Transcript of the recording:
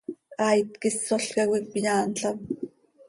Haait quih ísolca coi cöyaanlam.